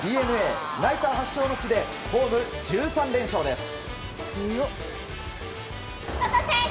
ＤｅＮＡ、ナイター発祥の地でホーム１３連勝です。